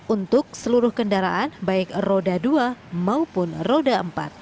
untuk seluruh kendaraan baik roda dua maupun roda empat